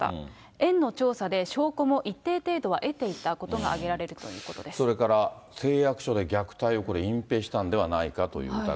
園の調査で証拠も一定程度は得ていたことが挙げられるということそれから、誓約書で虐待をこれ、隠蔽したんではないかという疑い。